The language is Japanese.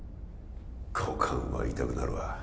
股間は痛くなるわ